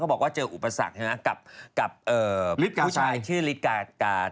เขาบอกว่าเจออุปสรรคนะกับผู้ชายชื่อลิฟกาชัย